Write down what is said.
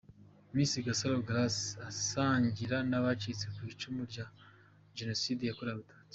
Miss Gasaro Grace asangira n'abacitse ku icumu rya Jenoside yakorewe Abatutsi.